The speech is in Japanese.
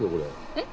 えっ？